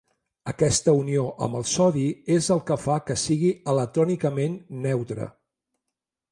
Aquesta unió amb el sodi és el que fa que sigui electrònicament neutre.